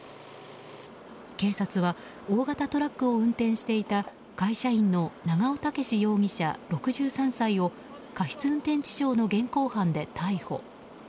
警察は大型トラックを運転していた、会社員の長尾武容疑者、６３歳を過失運転致傷の現行犯で逮捕。